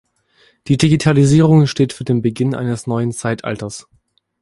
Die Digitalisierung steht für den Beginn eines neuen Zeitalters.